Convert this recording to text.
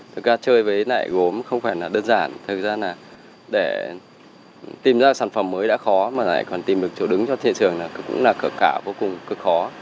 thực ra chơi với lại gốm không phải là đơn giản thực ra là để tìm ra sản phẩm mới đã khó mà lại còn tìm được chỗ đứng cho thị trường là cũng là cực khả vô cùng cực khó